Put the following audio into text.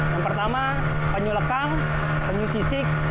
yang pertama penyuh lekang penyuh sisik